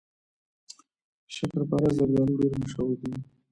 شکرپاره زردالو ډیر مشهور دي.